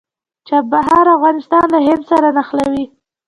چابهار افغانستان له هند سره نښلوي